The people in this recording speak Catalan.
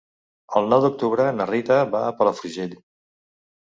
El nou d'octubre na Rita va a Palafrugell.